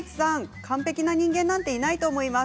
完璧な人間なんていないと思います。